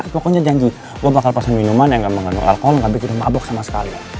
pokoknya janji lo bakal pesen minuman yang nggak mengandung alkohol nggak bikin lo mabok sama sekali